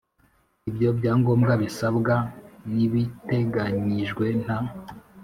Ibyo byangombwa bisabwa n ibiteganyijwe nta